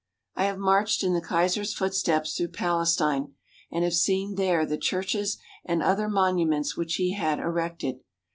I have marched in the Kaiser's footsteps through Palestine and have seen there the churches and other monuments which he had erected.